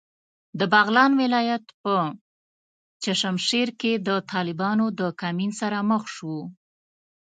د بغلان ولایت په چشمشېر کې د طالبانو د کمین سره مخ شوو.